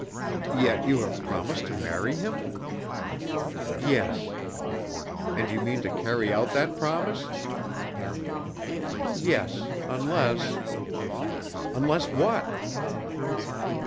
"Yet you have promised to marry him?" "Yes." "And you mean to carry out that promise?" "Yes, unless " "Unless what?"